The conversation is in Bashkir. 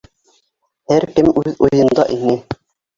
Һәр кем үҙ уйында ине.